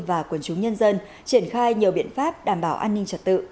và quần chúng nhân dân triển khai nhiều biện pháp đảm bảo an ninh trật tự